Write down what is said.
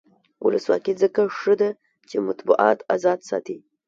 ولسواکي ځکه ښه ده چې مطبوعات ازاد ساتي.